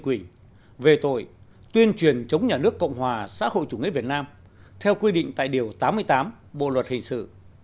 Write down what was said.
nguyễn ngọc như quỳnh về tội tuyên truyền chống nhà nước cộng hòa xã hội chủ nghĩa việt nam theo quy định tại điều tám mươi tám bộ luật hình sự